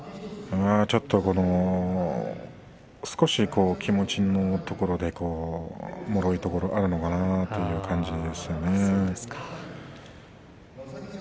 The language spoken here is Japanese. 少し気持ちのうえでもろいところがあるのかなという感じです。